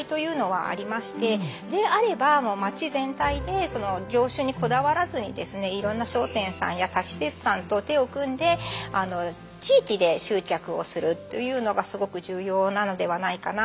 であればもう街全体で業種にこだわらずにですねいろんな商店さんや他施設さんと手を組んで地域で集客をするというのがすごく重要なのではないかな。